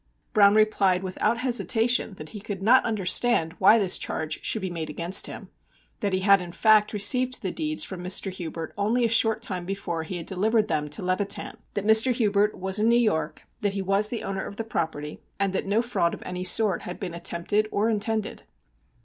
Browne replied without hesitation that he could not understand why this charge should be made against him; that he had, in fact, received the deeds from Mr. Hubert only a short time before he had delivered them to Levitan; that Mr. Hubert was in New York; that he was the owner of the property, and that no fraud of any sort had been attempted or intended.